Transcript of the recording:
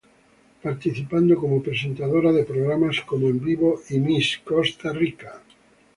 Participando como presentadora de programas como "En Vivo" y Miss Costa Rica.